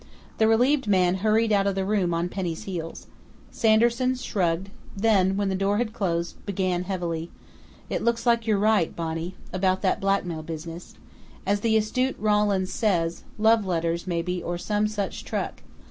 The relieved man hurried out of the room on Penny's heels. Sanderson shrugged, then, when the door had closed, began heavily: "It looks like you're right, Bonnie, about that blackmail business. As the astute Rawlins says, 'love letters, maybe, or some such truck....'